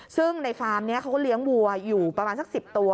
ซึ่งในฟาร์มนี้เขาก็เลี้ยงวัวอยู่ประมาณสัก๑๐ตัว